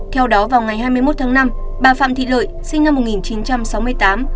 theo đó vào ngày hai mươi một tháng năm bà phạm thị lợi sinh năm một nghìn chín trăm sáu mươi tám